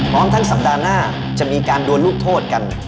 พร้อมทั้งสัปดาห์หน้าจะมีการดวนลูกโทษกัน